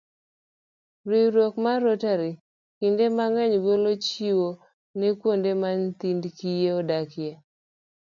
Riwruok mar Rotary kinde mang'eny golo chiwo ne kuonde ma nyithind kiye odakie.